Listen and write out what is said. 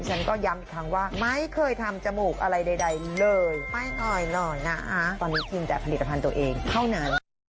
ฉันก็ย้ำอีกครั้งว่าไม่เคยทำจมูกอะไรใดเลยไปหน่อยนะตอนนี้กินแต่ผลิตภัณฑ์ตัวเองเท่านั้น